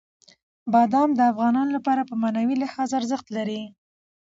بادام د افغانانو لپاره په معنوي لحاظ ارزښت لري.